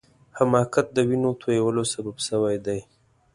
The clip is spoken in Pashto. حماقت د وینو تویولو سبب سوی دی.